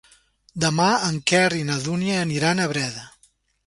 Demà en Quer i na Dúnia aniran a Breda.